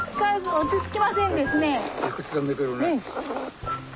落ち着きませんですね。